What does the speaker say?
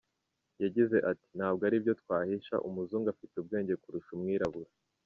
Yagize ati “Ntabwo ari ibyo twahisha, umuzungu afite ubwenge kurusha umwirabura.